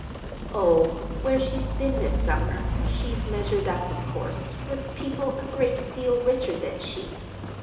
"Oh, where she's been this summer she's measured up, of course, with people a great deal richer than she.